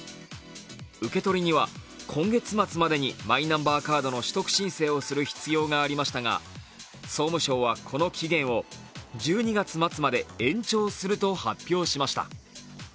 受け取りには今月末までにマイナンバーカードの取得申請をする必要がありましたが総務省はこの期限を１２月末まで延長すると発表しました。